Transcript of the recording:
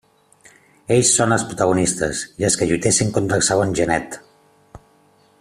Ells són els protagonistes, i els que lluitessin contra el segon Genet.